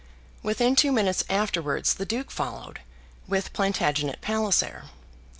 Within two minutes afterwards the Duke followed, with Plantagenet Palliser.